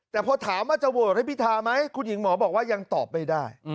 แต่พอถามว่าจะโหวตให้พิธาไหมคุณหญิงหมอบอกว่ายังตอบไม่ได้